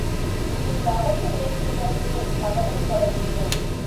இனி நடக்க வேண்டியதற்கே கவலைப் படவேண்டும்.